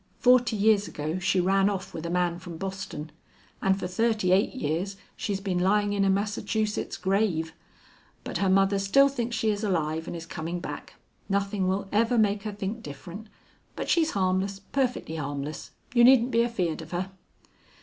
Forty years ago she ran off with a man from Boston, and for thirty eight years she's been lying in a Massachusetts grave. But her mother still thinks she is alive and is coming back. Nothing will ever make her think different. But she's harmless, perfectly harmless. You needn't be afeard of her."